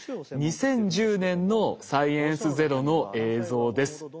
２０１０年の「サイエンスＺＥＲＯ」の映像です。